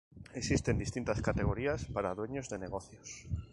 Existen distintas categorías para dueños de negocios.